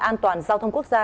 an toàn giao thông quốc gia